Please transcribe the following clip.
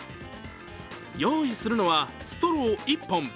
用意するのはストロー１本。